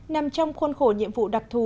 nằm trong khuôn khổ nhiệm vụ đặc thù